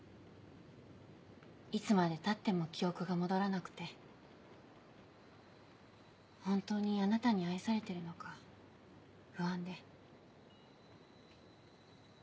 いつまでたっても記憶が戻らなくて本当にあなたに愛されてるのか不安で。